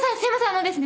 あのですね